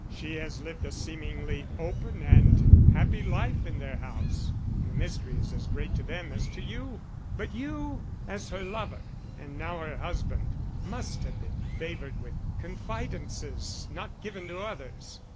She has lived a seemingly open and happy life in their house, and the mystery is as great to them as to you. But you, as her lover and now her husband, must have been favored with confidences not given to others.